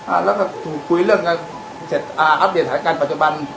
แล้วก็ถูกคุยเรื่องกันเสร็จอ่าอัปเดตสถานการณ์ปัจจุบัน